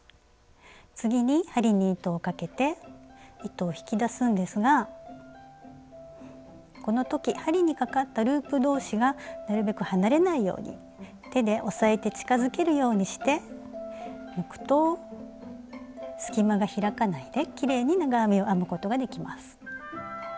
次に針に糸をかけて糸を引き出すんですがこの時針にかかったループ同士がなるべく離れないように手で押さえて近づけるようにして抜くと隙間が開かないできれいに長編みを編むことができます。